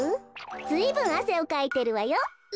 ずいぶんあせをかいてるわよ。